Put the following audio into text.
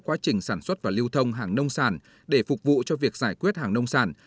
quá trình sản xuất và lưu thông hàng nông sản để phục vụ cho việc giải quyết hàng nông sản